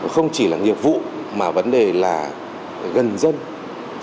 không chỉ là nhiệm vụ mà vấn đề là gần rất nhiều